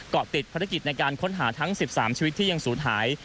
เกาะติดภารกิจในการค้นหาทั้ง๑๓ชีวิตที่ยังศูนย์หาย